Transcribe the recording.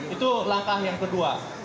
itu langkah yang kedua